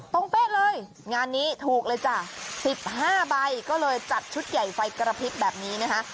เป๊ะเลยงานนี้ถูกเลยจ้ะ๑๕ใบก็เลยจัดชุดใหญ่ไฟกระพริบแบบนี้นะคะ